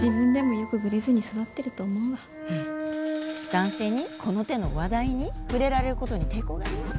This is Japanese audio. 男性にこの手の話題に触れられることに抵抗があります。